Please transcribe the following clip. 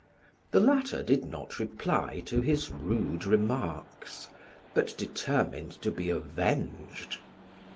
The latter did not reply to his rude remarks, but determined to be avenged.